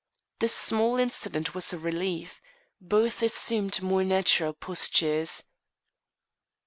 The small incident was a relief. Both assumed more natural postures.